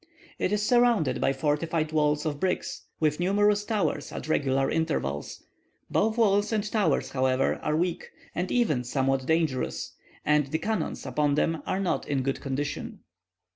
It is surrounded by fortified walls of brick, with numerous towers at regular intervals; both walls and towers, however, are weak, and even somewhat dangerous, and the cannons upon them are not in good condition.